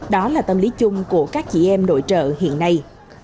đó là tâm lý chung của các chị em nội trợ hiện nay